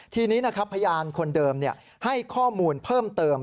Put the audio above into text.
ทีนี้นะครับพยานคนเดิมให้ข้อมูลเพิ่มเติม